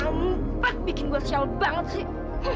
kampak bikin gue sial banget sih